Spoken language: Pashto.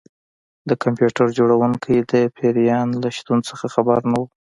د کمپیوټر جوړونکی د پیریان له شتون څخه خبر نه و